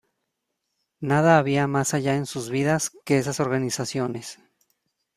Nada había más allá en sus vidas que esas organizaciones.